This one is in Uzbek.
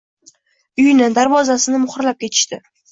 Uyini, darvozasini muhrlab ketishdi.